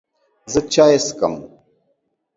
زه چای څښم